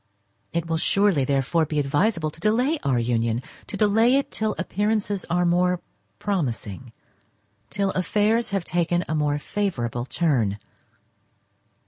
It will surely, therefore, be advisable to delay our union—to delay it till appearances are more promising—till affairs have taken a more favourable turn.